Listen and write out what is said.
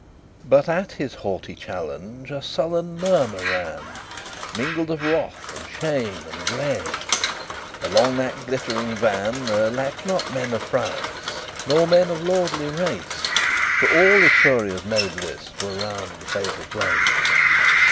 XLVIII But at his haughty challenge A sullen murmur ran, Mingled of wrath, and shame, and dread, Along that glittering van. There lacked not men of prowess, Nor men of lordly race; For all Etruria's noblest Were round the fatal place.